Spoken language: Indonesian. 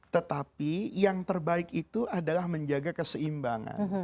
tetapi yang terbaik itu adalah menjaga keseimbangan